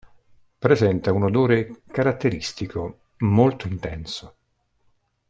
Presenta un odore caratteristico, molto intenso.